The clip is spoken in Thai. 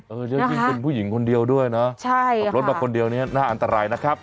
แล้วยิ่งเป็นผู้หญิงคนเดียวด้วยนะขับรถมาคนเดียวเนี่ยน่าอันตรายนะครับ